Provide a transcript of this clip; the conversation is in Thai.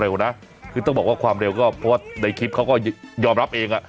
คือต้องบอกว่าความเร็วก็เพราะว่าในคลิปเขาก็ยอมรับเองอ่ะ